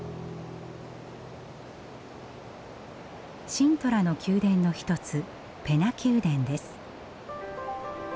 シントラの宮殿の一つペナ宮殿です。